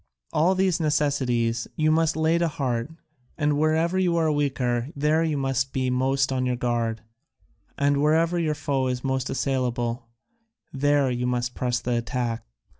All these necessities you must lay to heart, and wherever you are weaker, there you must be most on your guard, and wherever your foe is most assailable, there you must press the attack."